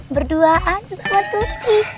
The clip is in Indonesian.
berduaan sama tuti